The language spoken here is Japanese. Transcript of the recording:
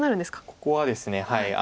ここはですね